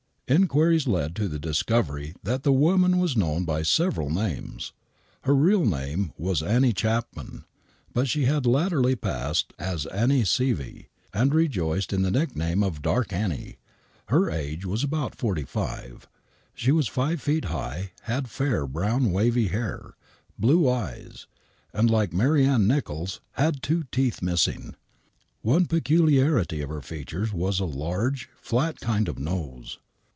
Inquiries led to the discovery that the woman was known by several names. Her real name was Annie Chapman, but she had latterly passed as Annie Sievy,, and rejoiced in the nickname of " Dark Annie." Her age was about forty five. She was 6 feet high, had fair, brown, wavy hair, blue eyes, and, like Mary Ann Nicholls, had two teeth missing. One peculiarity of her features was a large, flat kind of nose.